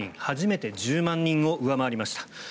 初めて１０万人を上回りました。